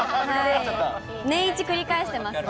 年いち繰り返していますね。